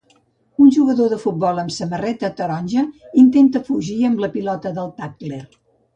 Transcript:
Un jugador de futbol amb samarreta taronja intenta fugir amb la pilota del tackler